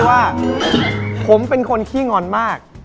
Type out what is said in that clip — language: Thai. ว่าผมเป็นคนขี้งอนมาก